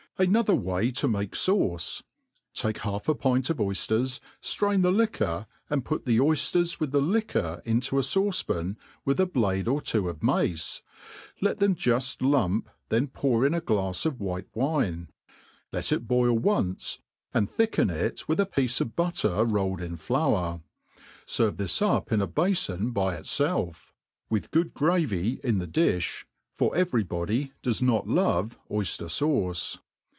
,' Another way to make fauce: take half a pint of oyfters, fttain the liquor, and put the oyfters with the liquor into a fauee pan, with a blade or two of mace ; let them juft lump, then pour in a glafs of white wine, let it boil once,^ and thick* en it with a piece of butter rolled in flour. Serve this up in a hafofl by itfelf, with good gravy in the di(h, for every body does not love oyfter fauce.